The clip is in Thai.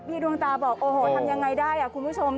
ดวงตาบอกโอ้โหทำยังไงได้คุณผู้ชม